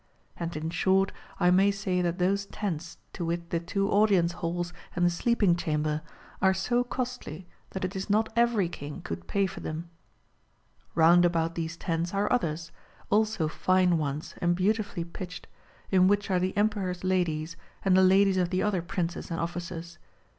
And in short I may say that those tents, to wit the two audience halls and the sleeping chamber, are so costly that it is not every king could pay for them. Round about these tents are others, also fine ones and beautifully pitched, in which are the Emperor's ladies, and the ladies of the other princes and officers.